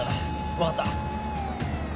分かった。